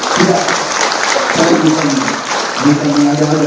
tidak saya bukan mengadakan